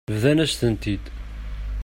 Bḍan-asent-ten-id.